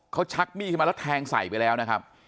เขาชักมีดขึ้นมาแล้วแทงใส่ไปแล้วนะครับ